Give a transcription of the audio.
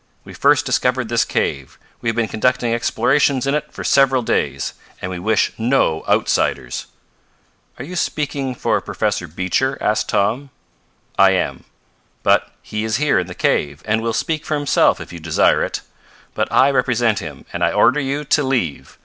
We first discovered this cave. We have been conducting explorations in it for several days, and we wish no outsiders." "Are you speaking for Professor Beecher?" asked Tom. "I am. But he is here in the cave, and will speak for himself if you desire it. But I represent him, and I order you to leave.